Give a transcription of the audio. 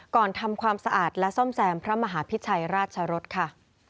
ทำความสะอาดและซ่อมแซมพระมหาพิชัยราชรสค่ะ